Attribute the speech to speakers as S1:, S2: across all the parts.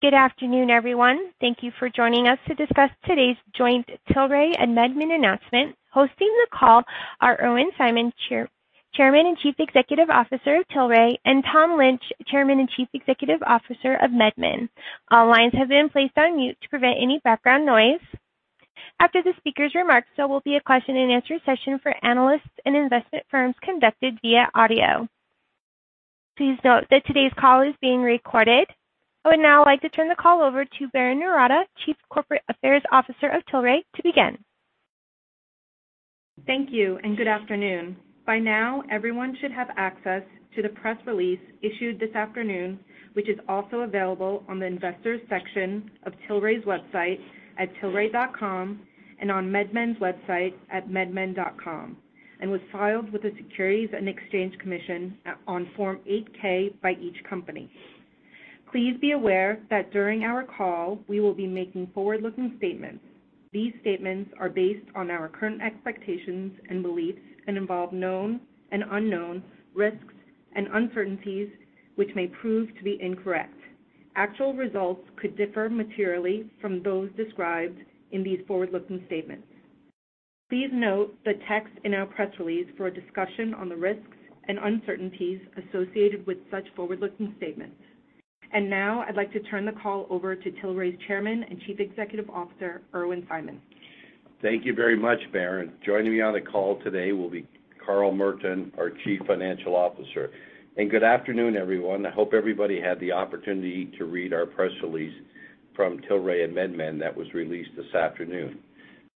S1: Good afternoon, everyone. Thank you for joining us to discuss today's joint Tilray and MedMen announcement. Hosting the call are Irwin Simon, Chairman and Chief Executive Officer of Tilray, and Tom Lynch, Chairman and Chief Executive Officer of MedMen. All lines have been placed on mute to prevent any background noise. After the speaker's remarks, there will be a question-and-answer session for analysts and investment firms conducted via audio. Please note that today's call is being recorded. I would now like to turn the call over to Berrin Noorata, Chief Corporate Affairs Officer of Tilray, to begin.
S2: Thank you, and good afternoon. By now, everyone should have access to the press release issued this afternoon, which is also available on the investors section of Tilray's website at tilray.com and on MedMen's website at medmen.com, and was filed with the Securities and Exchange Commission on Form 8-K by each company. Please be aware that during our call, we will be making forward-looking statements. These statements are based on our current expectations and beliefs and involve known and unknown risks and uncertainties, which may prove to be incorrect. Actual results could differ materially from those described in these forward-looking statements. Please note the text in our press release for a discussion on the risks and uncertainties associated with such forward-looking statements. Now, I'd like to turn the call over to Tilray's Chairman and Chief Executive Officer, Irwin Simon.
S3: Thank you very much, Berrin. Joining me on the call today will be Carl Merton, our Chief Financial Officer. Good afternoon, everyone. I hope everybody had the opportunity to read our press release from Tilray and MedMen that was released this afternoon.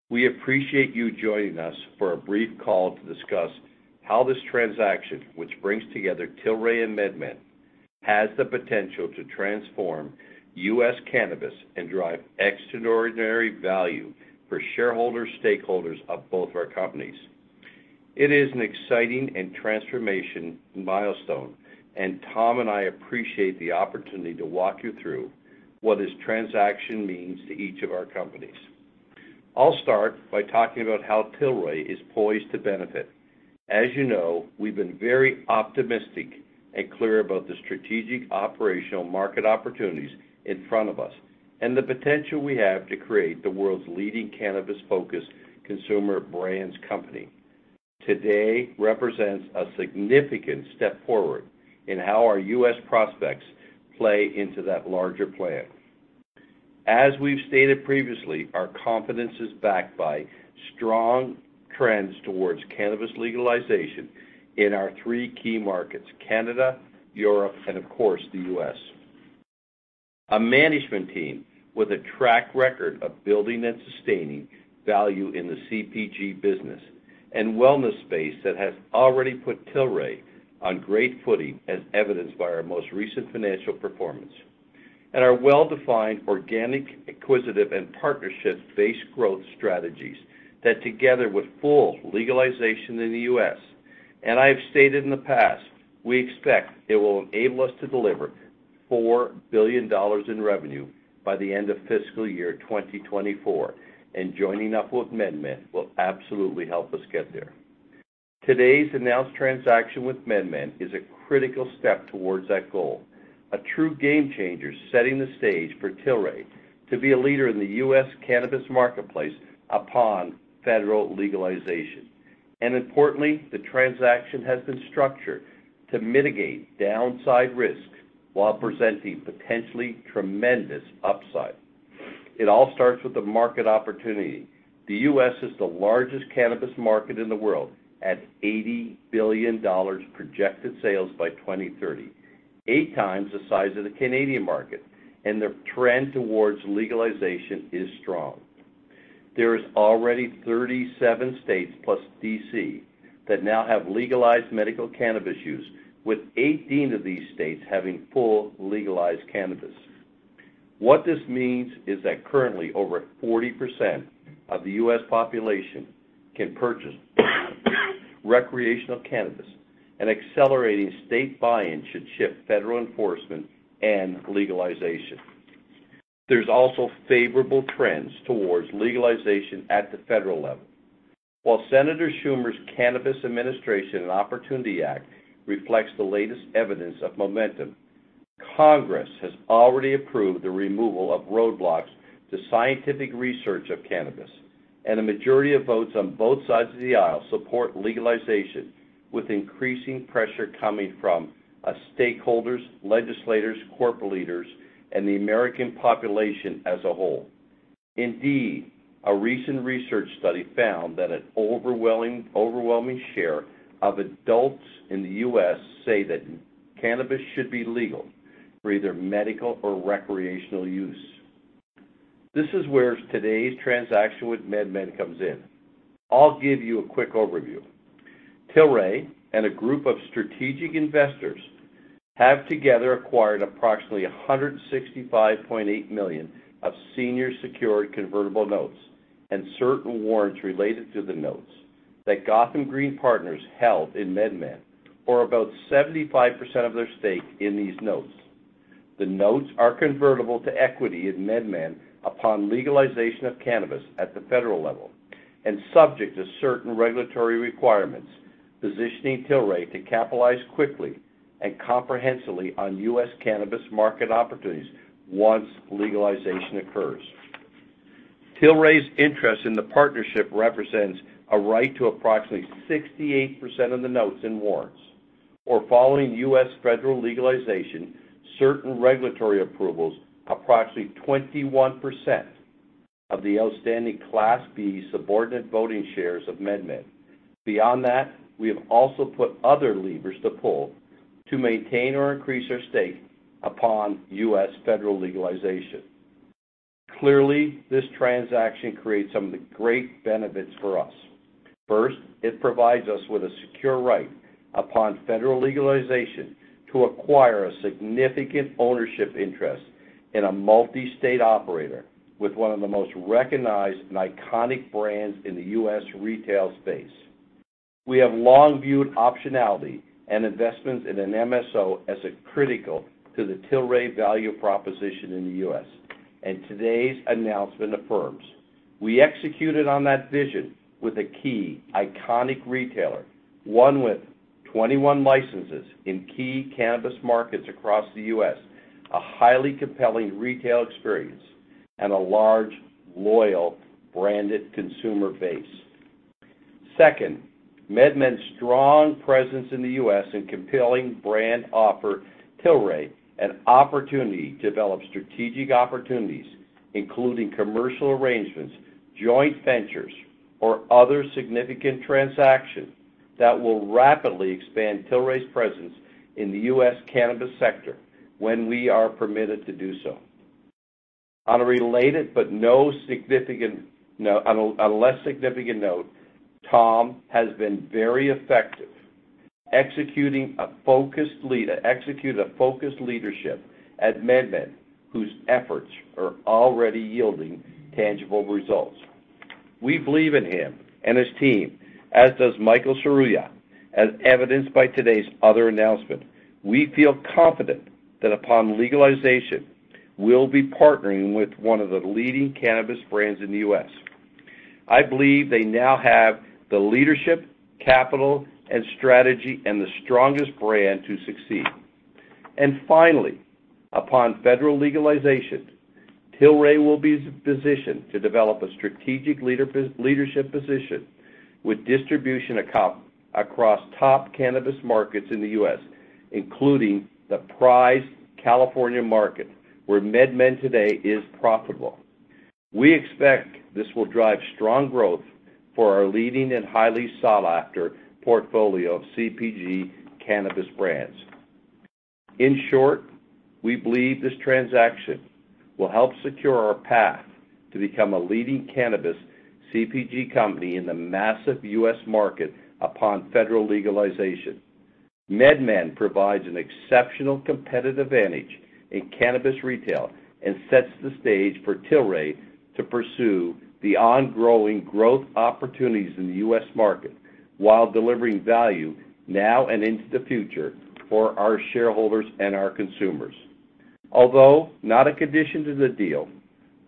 S3: We appreciate you joining us for a brief call to discuss how this transaction, which brings together Tilray and MedMen, has the potential to transform U.S. cannabis and drive extraordinary value for shareholder stakeholders of both of our companies. It is an exciting and transformation milestone, and Tom and I appreciate the opportunity to walk you through what this transaction means to each of our companies. I'll start by talking about how Tilray is poised to benefit. As you know, we've been very optimistic and clear about the strategic operational market opportunities in front of us and the potential we have to create the world's leading cannabis-focused consumer brands company. Today represents a significant step forward in how our U.S. prospects play into that larger plan. As we've stated previously, our confidence is backed by strong trends towards cannabis legalization in our three key markets, Canada, Europe, and of course, the U.S., a management team with a track record of building and sustaining value in the CPG business and wellness space that has already put Tilray on great footing, as evidenced by our most recent financial performance. Our well-defined organic, acquisitive, and partnership-based growth strategies that together with full legalization in the U.S., and I have stated in the past, we expect it will enable us to deliver $4 billion in revenue by the end of fiscal year 2024, and joining up with MedMen will absolutely help us get there. Today's announced transaction with MedMen is a critical step towards that goal, a true game changer, setting the stage for Tilray to be a leader in the U.S. cannabis marketplace upon federal legalization. Importantly, the transaction has been structured to mitigate downside risk while presenting potentially tremendous upside. It all starts with the market opportunity. The U.S. is the largest cannabis market in the world at $80 billion projected sales by 2030, eight times the size of the Canadian market, and the trend towards legalization is strong. There is already 37 states plus D.C. that now have legalized medical cannabis use, with 18 of these states having full legalized cannabis. What this means is that currently over 40% of the U.S. population can purchase recreational cannabis, and accelerating state buy-in should shift federal enforcement and legalization. There's also favorable trends towards legalization at the federal level. While Senator Schumer's Cannabis Administration and Opportunity Act reflects the latest evidence of momentum, Congress has already approved the removal of roadblocks to scientific research of cannabis. Majority of votes on both sides of the aisle support legalization, with increasing pressure coming from stakeholders, legislators, corporate leaders, and the American population as a whole. Indeed, a recent research study found that an overwhelming share of adults in the U.S. say that cannabis should be legal for either medical or recreational use. This is where today's transaction with MedMen comes in. I'll give you a quick overview. Tilray and a group of strategic investors have together acquired approximately 165.8 million of senior secured convertible notes and certain warrants related to the notes that Gotham Green Partners held in MedMen, or about 75% of their stake in these notes. The notes are convertible to equity in MedMen upon legalization of cannabis at the federal level. Subject to certain regulatory requirements, positioning Tilray to capitalize quickly and comprehensively on U.S. cannabis market opportunities once legalization occurs. Tilray's interest in the partnership represents a right to approximately 68% of the notes and warrants, or following U.S. federal legalization, certain regulatory approvals, approximately 21% of the outstanding Class B subordinate voting shares of MedMen. Beyond that, we have also put other levers to pull to maintain or increase our stake upon U.S. federal legalization. Clearly, this transaction creates some of the great benefits for us. First, it provides us with a secure right upon federal legalization to acquire a significant ownership interest in a multi-state operator with one of the most recognized and iconic brands in the U.S. retail space. We have long viewed optionality and investments in an MSO as critical to the Tilray value proposition in the U.S., and today's announcement affirms. We executed on that vision with a key iconic retailer, one with 21 licenses in key cannabis markets across the U.S., a highly compelling retail experience, and a large, loyal-branded consumer base. Second, MedMen's strong presence in the U.S. and compelling brand offer Tilray an opportunity to develop strategic opportunities, including commercial arrangements, joint ventures, or other significant transactions that will rapidly expand Tilray's presence in the U.S. cannabis sector when we are permitted to do so. On a less significant note, Tom has been very effective executing a focused leadership at MedMen, whose efforts are already yielding tangible results. We believe in him and his team, as does Michael Serruya, as evidenced by today's other announcement. We feel confident that upon legalization, we'll be partnering with one of the leading cannabis brands in the U.S. I believe they now have the leadership, capital, and strategy, and the strongest brand to succeed. Finally, upon federal legalization, Tilray will be positioned to develop a strategic leadership position with distribution across top cannabis markets in the U.S., including the prized California market, where MedMen today is profitable. We expect this will drive strong growth for our leading and highly sought-after portfolio of CPG cannabis brands. In short, we believe this transaction will help secure our path to become a leading cannabis CPG company in the massive U.S. market upon federal legalization. MedMen provides an exceptional competitive advantage in cannabis retail and sets the stage for Tilray to pursue the ongoing growth opportunities in the U.S. market while delivering value now and into the future for our shareholders and our consumers. Although not a condition to the deal,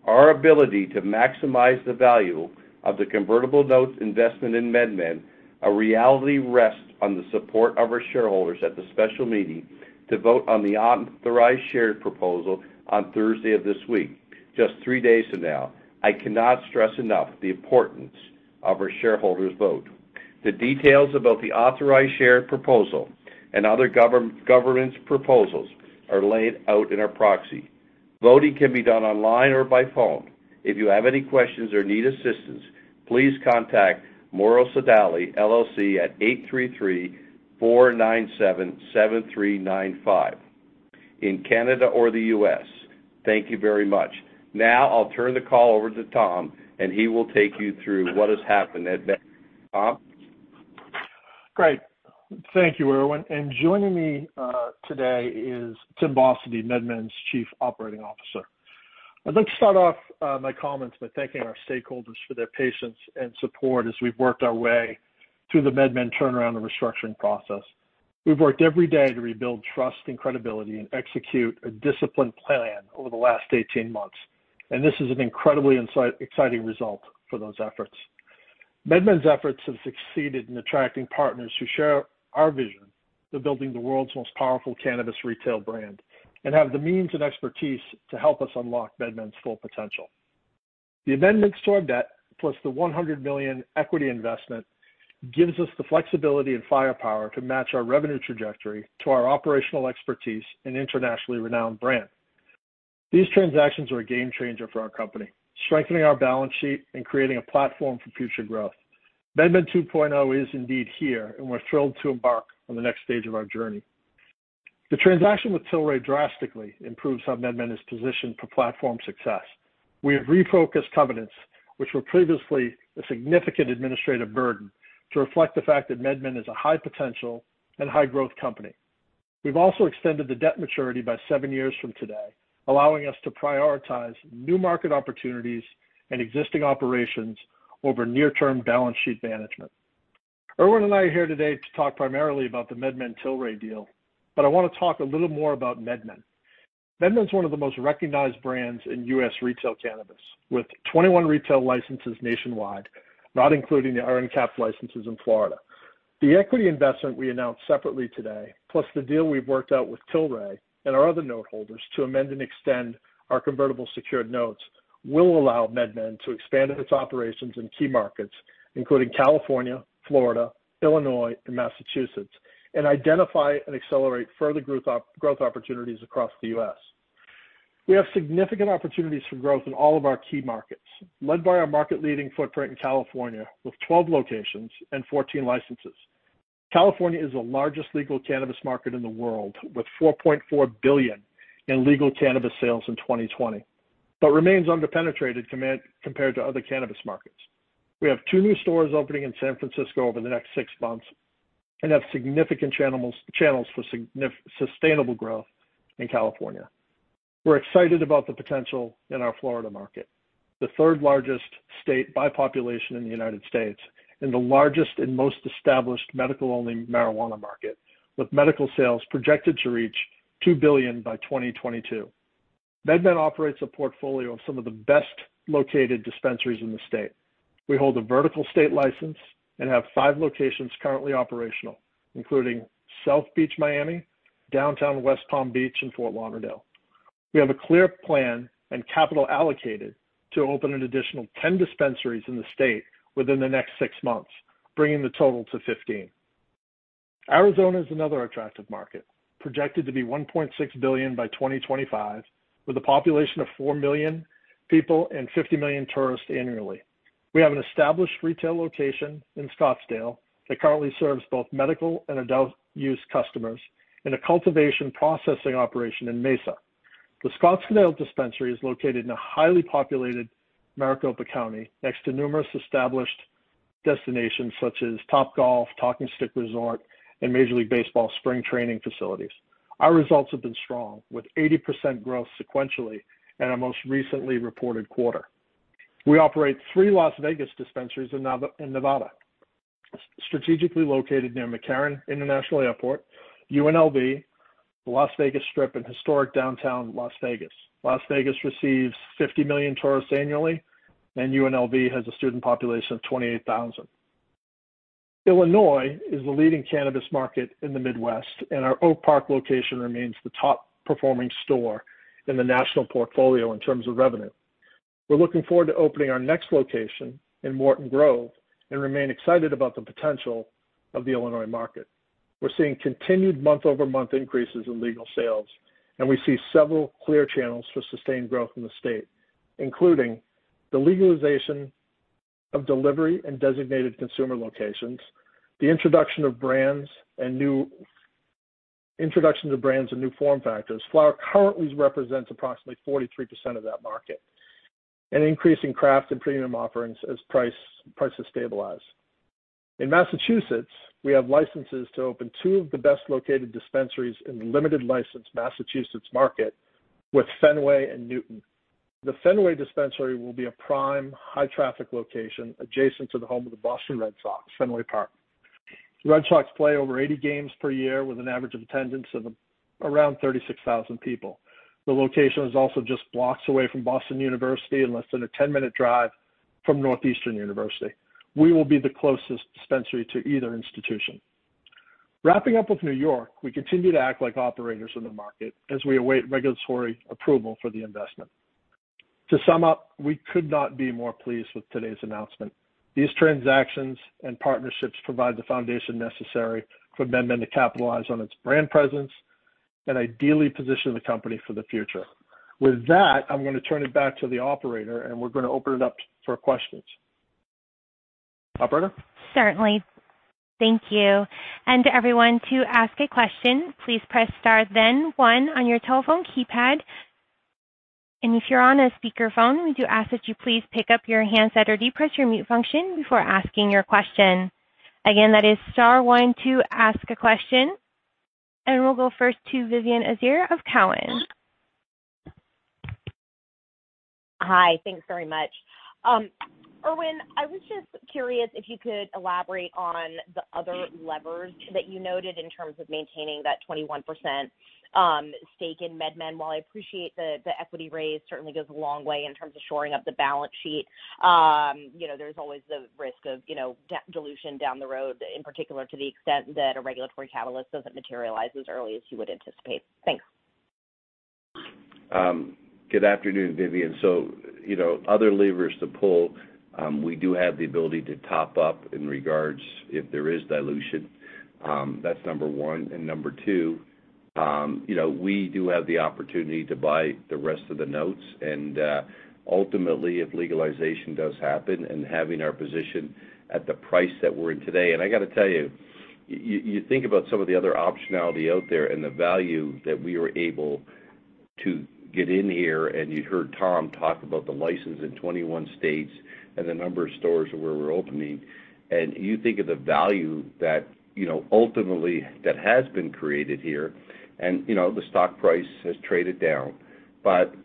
S3: our ability to maximize the value of the convertible notes investment in MedMen will rest on the support of our shareholders at the special meeting to vote on the authorized share proposal on Thursday of this week, just three days from now. I cannot stress enough the importance of our shareholders' vote. The details about the authorized share proposal and other governance proposals are laid out in our proxy. Voting can be done online or by phone. If you have any questions or need assistance, please contact Morrow Sodali LLC at 833-497-7395 in Canada or the U.S. Thank you very much. Now, I'll turn the call over to Tom, and he will take you through what has happened at MedMen. Tom?
S4: Great. Thank you, Irwin Simon. Joining me today is Tyson Rossi, MedMen's Chief Operating Officer. I'd like to start off my comments by thanking our stakeholders for their patience and support as we've worked our way through the MedMen turnaround and restructuring process. We've worked every day to rebuild trust and credibility and execute a disciplined plan over the last 18 months, and this is an incredibly exciting result for those efforts. MedMen's efforts have succeeded in attracting partners who share our vision to building the world's most powerful cannabis retail brand and have the means and expertise to help us unlock MedMen's full potential. The MedMen store debt, plus the $100 million equity investment, gives us the flexibility and firepower to match our revenue trajectory to our operational expertise and internationally renowned brand. These transactions are a game changer for our company, strengthening our balance sheet and creating a platform for future growth. MedMen 2.0 is indeed here, and we're thrilled to embark on the next stage of our journey. The transaction with Tilray drastically improves how MedMen is positioned for platform success. We have refocused covenants, which were previously a significant administrative burden, to reflect the fact that MedMen is a high-potential and high-growth company. We've also extended the debt maturity by seven years from today, allowing us to prioritize new market opportunities and existing operations over near-term balance sheet management. Irwin and I are here today to talk primarily about the MedMen Tilray deal, but I want to talk a little more about MedMen. MedMen is one of the most recognized brands in U.S. retail cannabis, with 21 retail licenses nationwide, not including the RN licenses in Florida. The equity investment we announced separately today, plus the deal we've worked out with Tilray and our other note holders to amend and extend our convertible secured notes, will allow MedMen to expand its operations in key markets, including California, Florida, Illinois, and Massachusetts, and identify and accelerate further growth opportunities across the U.S. We have significant opportunities for growth in all of our key markets, led by our market-leading footprint in California, with 12 locations and 14 licenses. California is the largest legal cannabis market in the world, with $4.4 billion in legal cannabis sales in 2020, but remains under-penetrated compared to other cannabis markets. We have two new stores opening in San Francisco over the next six months and have significant channels for sustainable growth in California. We're excited about the potential in our Florida market, the third-largest state by population in the United States, and the largest and most established medical-only marijuana market, with medical sales projected to reach $2 billion by 2022. MedMen operates a portfolio of some of the best-located dispensaries in the state. We hold a vertical state license and have five locations currently operational, including South Beach, Miami, Downtown West Palm Beach, and Fort Lauderdale. We have a clear plan and capital allocated to open an additional 10 dispensaries in the state within the next six months, bringing the total to 15. Arizona is another attractive market, projected to be $1.6 billion by 2025, with a population of 4 million people and 50 million tourists annually. We have an established retail location in Scottsdale that currently serves both medical and adult use customers, and a cultivation processing operation in Mesa. The Scottsdale dispensary is located in a highly populated Maricopa County, next to numerous established destinations such as Topgolf, Talking Stick Resort, and Major League Baseball spring training facilities. Our results have been strong, with 80% growth sequentially in our most recently reported quarter. We operate three Las Vegas dispensaries in Nevada, strategically located near McCarran International Airport, UNLV, the Las Vegas Strip, and historic downtown Las Vegas. Las Vegas receives 50 million tourists annually, and UNLV has a student population of 28,000. Illinois is the leading cannabis market in the Midwest, and our Oak Park location remains the top-performing store in the national portfolio in terms of revenue. We're looking forward to opening our next location in Morton Grove and remain excited about the potential of the Illinois market. We're seeing continued month-over-month increases in legal sales, and we see several clear channels for sustained growth in the state, including the legalization of delivery and designated consumer locations. The introduction of brands and new form factors. Flower currently represents approximately 43% of that market, an increase in craft and premium offerings as prices stabilize. In Massachusetts, we have licenses to open two of the best-located dispensaries in the limited license Massachusetts market with Fenway and Newton. The Fenway dispensary will be a prime, high-traffic location adjacent to the home of the Boston Red Sox, Fenway Park. The Red Sox play over 80 games per year with an average attendance of around 36,000 people. The location is also just blocks away from Boston University and less than a 10-minute drive from Northeastern University. We will be the closest dispensary to either institution. Wrapping up with New York, we continue to act like operators in the market as we await regulatory approval for the investment. To sum up, we could not be more pleased with today's announcement. These transactions and partnerships provide the foundation necessary for MedMen to capitalize on its brand presence and ideally position the company for the future. With that, I'm going to turn it back to the operator, and we're going to open it up for questions. Operator?
S1: Certainly. Thank you. To everyone, to ask a question, please press star then one on your telephone keypad. If you're on a speakerphone, we do ask that you please pick up your handset or depress your mute function before asking your question. Again, that is star one to ask a question. We'll go first to Vivien Azer of Cowen.
S5: Hi. Thanks very much. Irwin, I was just curious if you could elaborate on the other levers that you noted in terms of maintaining that 21% stake in MedMen? While I appreciate the equity raise certainly goes a long way in terms of shoring up the balance sheet, there's always the risk of debt dilution down the road, in particular to the extent that a regulatory catalyst doesn't materialize as early as you would anticipate. Thanks.
S3: Good afternoon, Vivien. Other levers to pull, we do have the ability to top up in regards if there is dilution. That's number one. Number two, we do have the opportunity to buy the rest of the notes, and ultimately, if legalization does happen and having our position at the price that we're in today. I got to tell you think about some of the other optionality out there and the value that we were able to get in here, and you heard Tom talk about the license in 21 states and the number of stores where we're opening, and you think of the value that ultimately that has been created here, and the stock price has traded down.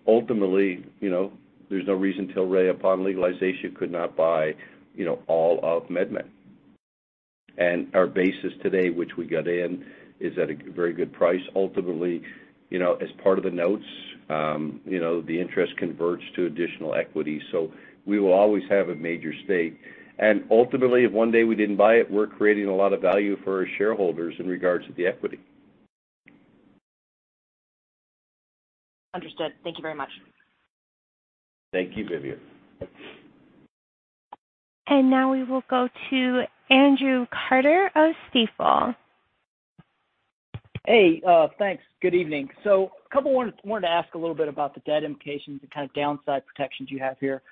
S3: Ultimately, there's no reason Tilray, upon legalization, could not buy all of MedMen. Our basis today, which we got in, is at a very good price. Ultimately, as part of the notes, the interest converts to additional equity, so we will always have a major stake. Ultimately, if one day we didn't buy it, we're creating a lot of value for our shareholders in regards to the equity.
S5: Understood. Thank you very much.
S3: Thank you, Vivien.
S1: Now we will go to Andrew Carter of Stifel.
S6: Hey, thanks. Good evening. Couple of things I wanted to ask a little bit about the debt implications, the kind of downside protections you have here.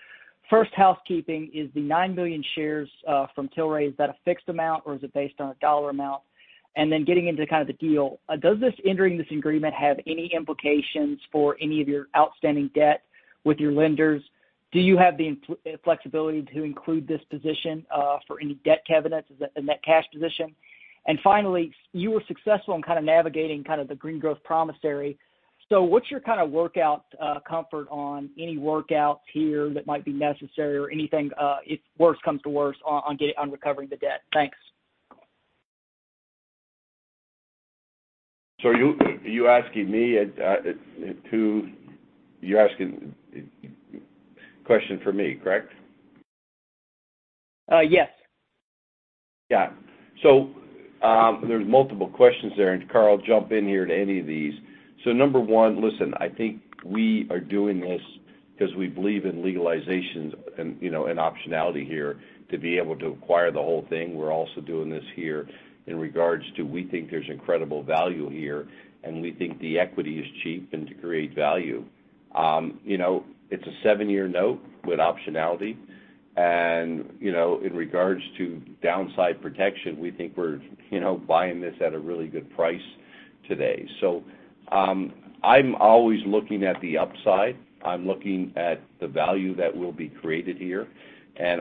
S6: First, housekeeping. Is the 9 million shares from Tilray, is that a fixed amount or is it based on a dollar amount? And then getting into kind of the deal, does this, entering this agreement, have any implications for any of your outstanding debt with your lenders? Do you have the flexibility to include this position for any debt covenants in that cash position? Finally, you were successful in kind of navigating the Green Growth promissory. What's your kind of workout comfort on any workouts here that might be necessary or anything, if worse comes to worse, on recovering the debt? Thanks.
S3: Are you asking me? You're asking a question for me, correct?
S6: Yes.
S3: Yeah. There's multiple questions there, and Carl, jump in here to any of these. Number 1, listen, I think we are doing this because we believe in legalizations and optionality here to be able to acquire the whole thing. We're also doing this here in regards to, we think there's incredible value here, and we think the equity is cheap and to create value. It's a seven-year note with optionality. In regards to downside protection, we think we're buying this at a really good price today. I'm always looking at the upside. I'm looking at the value that will be created here.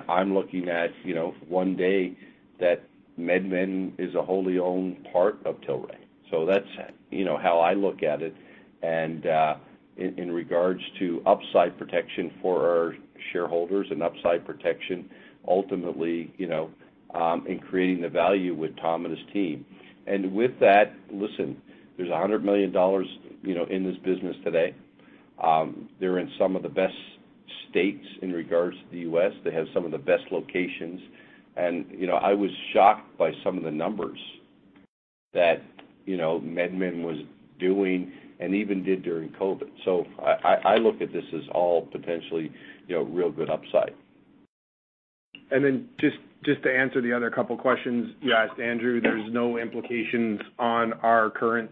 S3: I'm looking at one day that MedMen is a wholly owned part of Tilray. That's how I look at it. In regards to upside protection for our shareholders and upside protection, ultimately, in creating the value with Tom and his team. With that, listen, there's $100 million in this business today. They're in some of the best states in regard to the U.S. They have some of the best locations. I was shocked by some of the numbers that MedMen was doing and even did during COVID. I look at this as all potentially real good upside.
S7: Then just to answer the other couple questions you asked, Andrew, there's no implications on our current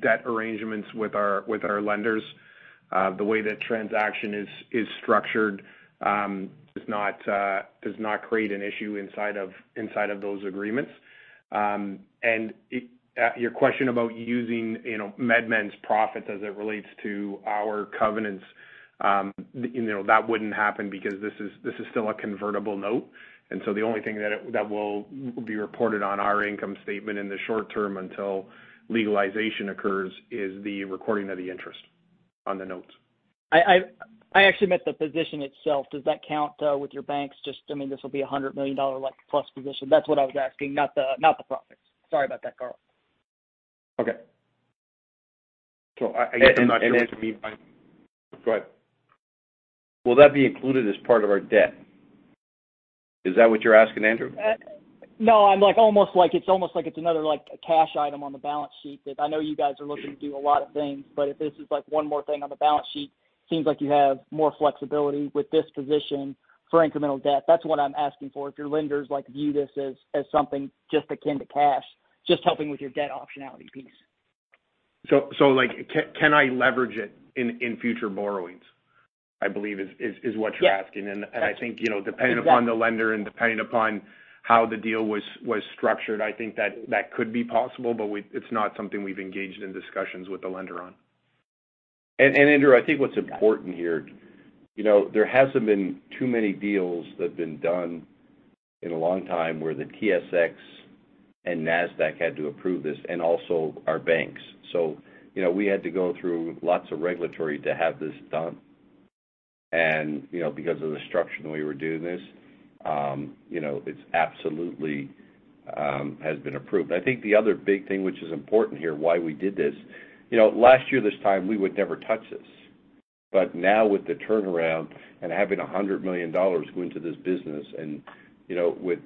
S7: debt arrangements with our lenders. The way that transaction is structured does not create an issue inside of those agreements. Your question about using MedMen's profits as it relates to our covenants, that wouldn't happen because this is still a convertible note. The only thing that will be reported on our income statement in the short term until legalization occurs is the recording of the interest on the notes.
S6: I actually meant the position itself. Does that count with your banks? Just, I mean, this will be $100 million like plus position. That's what I was asking, not the profits. Sorry about that, Carl.
S7: Okay.
S3: I guess I'm not answering.
S7: Go ahead.
S3: Will that be included as part of our debt? Is that what you're asking, Andrew?
S6: No, it's almost like it's another cash item on the balance sheet that I know you guys are looking to do a lot of things, but if this is one more thing on the balance sheet, seems like you have more flexibility with this position for incremental debt. That's what I'm asking for. If your lenders view this as something just akin to cash, just helping with your debt optionality piece.
S7: Can I leverage it in future borrowings, I believe is what you're asking.
S6: Yeah.
S7: I think, depending upon the lender and depending upon how the deal was structured, I think that could be possible, but it's not something we've engaged in discussions with the lender on.
S3: Andrew, I think what's important here, there hasn't been too many deals that have been done in a long time where the TSX and Nasdaq had to approve this and also our banks. We had to go through lots of regulatory to have this done. Because of the structure that we were doing this, it absolutely has been approved. I think the other big thing, which is important here, why we did this last year this time, we would never touch this. Now with the turnaround and having $100 million go into this business, and with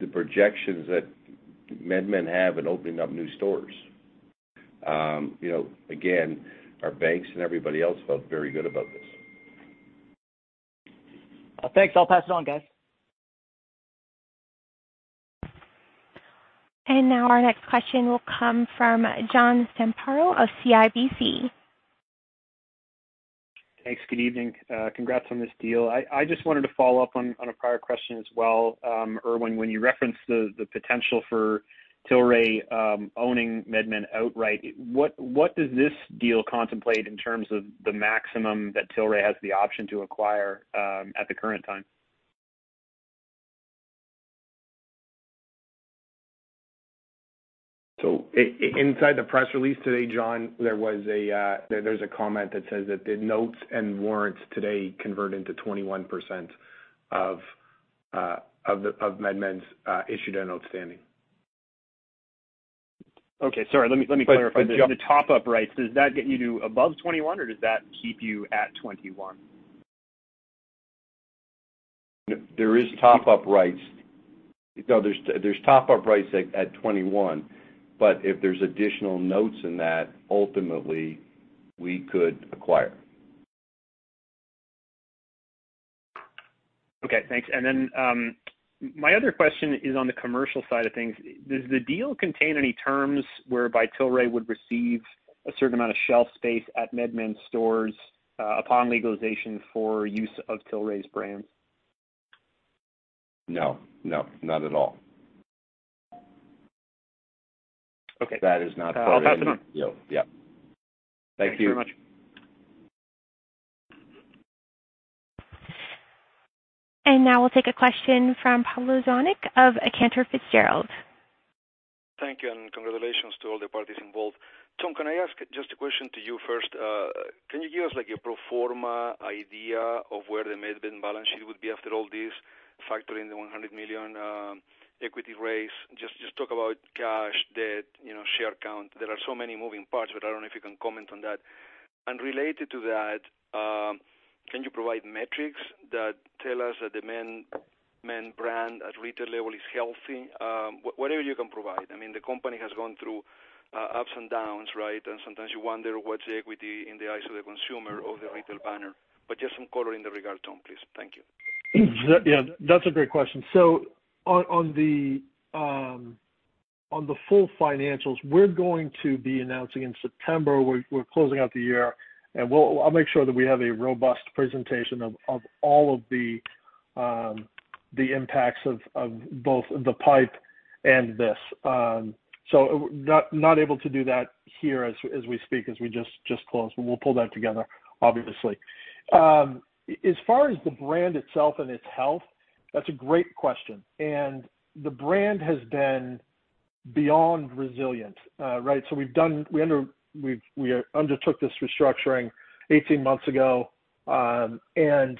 S3: the projections that MedMen have in opening up new stores. Again, our banks and everybody else felt very good about this.
S6: Thanks. I'll pass it on, guys.
S1: Now our next question will come from John Zamparo of CIBC.
S8: Thanks. Good evening. Congrats on this deal. I just wanted to follow up on a prior question as well. Irwin, when you referenced the potential for Tilray owning MedMen outright, what does this deal contemplate in terms of the maximum that Tilray has the option to acquire at the current time?
S7: Inside the press release today, John, there's a comment that says that the notes and warrants today convert into 21% of MedMen's issued and outstanding.
S8: Okay, sorry, let me clarify. The top-up rights, does that get you to above 21 or does that keep you at 21?
S3: There is top-up rights. No, there's top-up rights at 21. If there's additional notes in that, ultimately, we could acquire.
S8: Okay, thanks. My other question is on the commercial side of things. Does the deal contain any terms whereby Tilray would receive a certain amount of shelf space at MedMen's stores, upon legalization for use of Tilray's brands?
S3: No. Not at all.
S8: Okay.
S3: That is not part of the deal.
S8: I'll pass it on.
S3: Yeah. Thank you.
S8: Thank you very much.
S1: Now we'll take a question from Pablo Zuanic of Cantor Fitzgerald.
S9: Thank you, and congratulations to all the parties involved. Tom, can I ask just a question to you first? Can you give us your pro forma idea of where the MedMen balance sheet would be after all this, factor in the $100 million equity raise. Just talk about cash, debt, share count. There are so many moving parts, but I don't know if you can comment on that. Related to that, can you provide metrics that tell us that the main brand at retail level is healthy? Whatever you can provide. I mean, the company has gone through ups and downs, right? Sometimes you wonder what's the equity in the eyes of the consumer of the retail banner. Just some color in that regard, Tom, please. Thank you.
S4: Yeah, that's a great question. On the full financials, we're going to be announcing in September, we're closing out the year, and I'll make sure that we have a robust presentation of all of the impacts of both the PIPE and this. Not able to do that here as we speak, as we just closed, but we'll pull that together, obviously. As far as the brand itself and its health, that's a great question. The brand has been beyond resilient. Right? We undertook this restructuring 18 months ago, and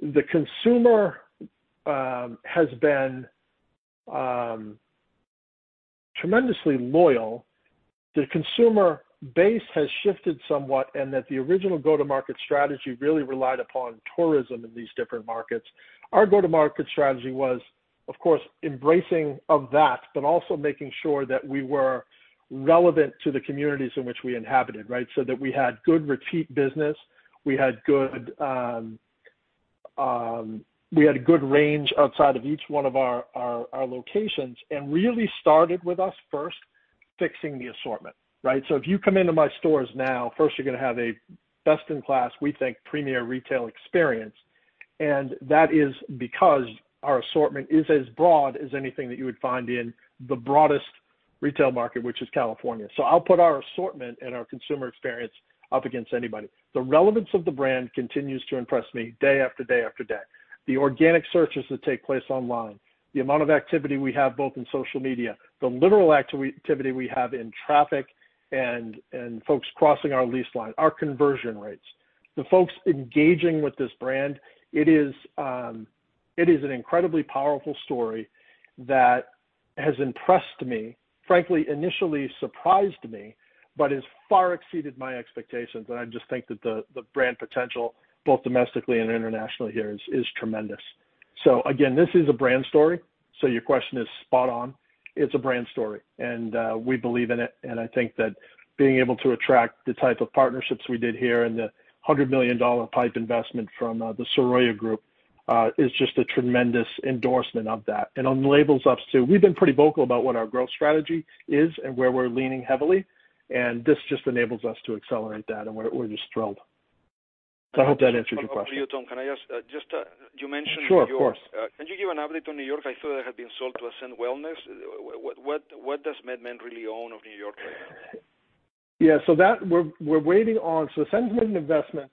S4: the consumer has been tremendously loyal. The consumer base has shifted somewhat and that the original go-to-market strategy really relied upon tourism in these different markets. Our go-to-market strategy was, of course, embracing of that, but also making sure that we were relevant to the communities in which we inhabited, right? That we had good repeat business, we had a good range outside of each one of our locations, and really started with us first fixing the assortment. Right? If you come into my stores now, first you're going to have a best-in-class, we think, premier retail experience. That is because our assortment is as broad as anything that you would find in the broadest retail market which is California. I'll put our assortment and our consumer experience up against anybody. The relevance of the brand continues to impress me day after day after day. The organic searches that take place online, the amount of activity we have both in social media, the literal activity we have in traffic and folks crossing our lease line, our conversion rates, the folks engaging with this brand, it is an incredibly powerful story that has impressed me. Frankly, it initially surprised me, but has far exceeded my expectations. I just think that the brand potential, both domestically and internationally here is tremendous. Again, this is a brand story. Your question is spot on. It's a brand story, and we believe in it, and I think that being able to attract the type of partnerships we did here and the $100 million PIPE investment from the Serruya Group, is just a tremendous endorsement of that. On the label side too, we've been pretty vocal about what our growth strategy is and where we're leaning heavily, and this just enables us to accelerate that, and we're just thrilled. I hope that answers your question.
S9: Just one follow-up to you, Tom. Can I ask, just you mentioned New York?
S4: Sure.
S9: Can you give an update on New York? I saw that had been sold to Ascend Wellness. What does MedMen really own of New York right now?
S4: Yeah, we're waiting on Ascend made an investment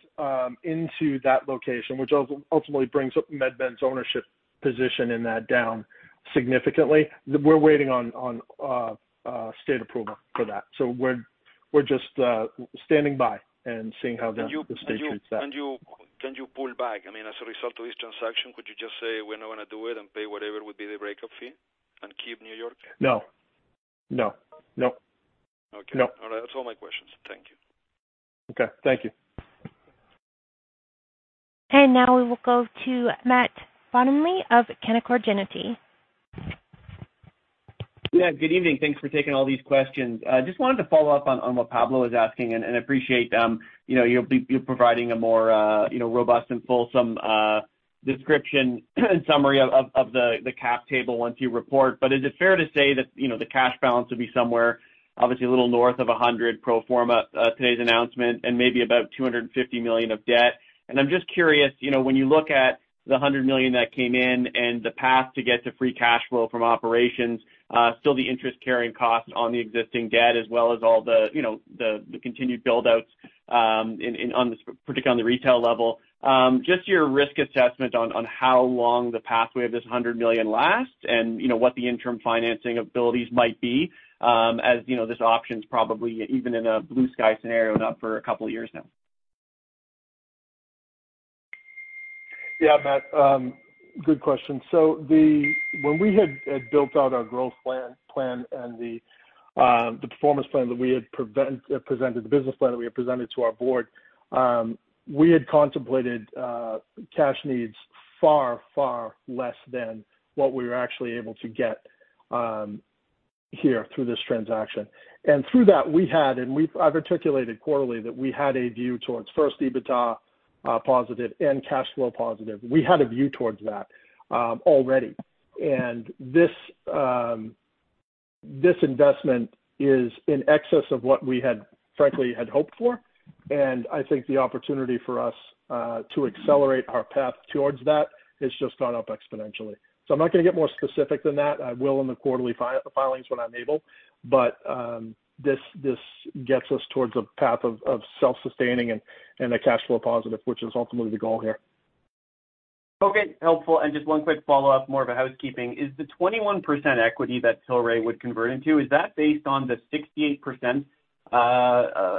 S4: into that location, which ultimately brings down MedMen's ownership position in that significantly. We're waiting on state approval for that. We're just standing by and seeing how the state treats that.
S9: Can you pull back, I mean, as a result of this transaction, could you just say, we're not going to do it, and pay whatever would be the breakup fee and keep New York?
S4: No.
S9: Okay.
S4: No.
S9: All right. That's all my questions. Thank you.
S4: Okay. Thank you.
S1: Now we will go to Matt Bottomley of Canaccord Genuity.
S10: Matt, good evening. Thanks for taking all these questions. Just wanted to follow up on what Pablo was asking and appreciate you providing a more robust and fulsome description and summary of the cap table once you report. Is it fair to say that the cash balance would be somewhere obviously a little north of $100 million pro forma, today's announcement, and maybe about $250 million of debt. I'm just curious, when you look at the $100 million that came in and the path to get to free cash flow from operations, still the interest carrying costs on the existing debt as well as all the continued build-outs, particularly on the retail level. Just your risk assessment on how long the pathway of this $100 million lasts and what the interim financing abilities might be, as this option's probably even in a blue sky scenario, not for a couple of years now?
S4: Yeah, Matt, good question. When we had built out our growth plan and the performance plan that we had presented, the business plan that we had presented to our board, we had contemplated cash needs far, far less than what we were actually able to get here through this transaction. Through that, we had, and I've articulated quarterly that we had a view towards first EBITDA positive and cash flow positive. We had a view towards that already. This investment is in excess of what we frankly had hoped for. I think the opportunity for us to accelerate our path towards that has just gone up exponentially. I'm not going to get more specific than that. I will in the quarterly filings when I'm able. This gets us towards a path of self-sustaining and a cash flow positive, which is ultimately the goal here.
S10: Okay. Helpful. Just one quick follow-up, more of a housekeeping. Is the 21% equity that Tilray would convert into, is that based on the 68%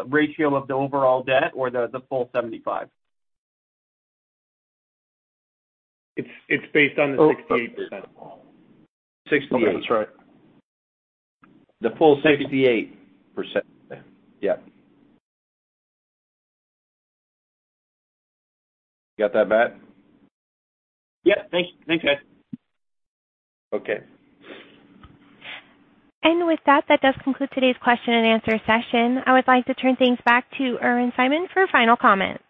S10: ratio of the overall debt or the full 75%?
S3: It's based on the 68%. 68.
S10: I think that's right.
S3: The full 68%.
S4: Yeah. Got that, Matt?
S10: Yeah. Thanks, guys.
S4: Okay.
S1: With that does conclude today's question-and-answer session. I would like to turn things back to Irwin Simon for final comments.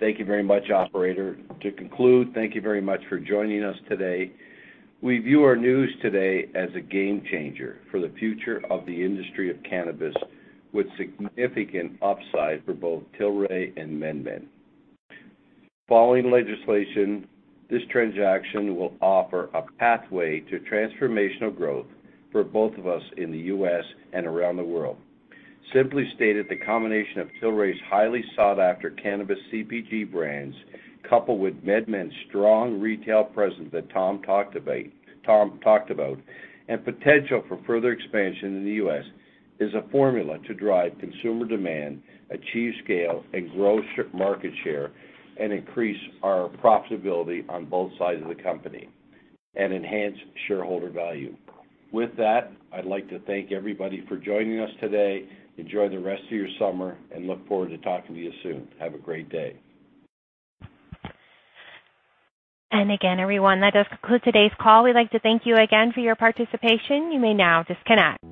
S3: Thank you very much, operator. To conclude, thank you very much for joining us today. We view our news today as a game changer for the future of the industry of cannabis, with significant upside for both Tilray and MedMen. Following legislation, this transaction will offer a pathway to transformational growth for both of us in the U.S. and around the world. Simply stated, the combination of Tilray's highly sought-after cannabis CPG brands, coupled with MedMen's strong retail presence that Tom talked about, and potential for further expansion in the U.S., is a formula to drive consumer demand, achieve scale, and grow market share, and increase our profitability on both sides of the company, and enhance shareholder value. With that, I'd like to thank everybody for joining us today. Enjoy the rest of your summer and look forward to talking to you soon. Have a great day.
S1: Again, everyone, that does conclude today's call. We'd like to thank you again for your participation. You may now disconnect.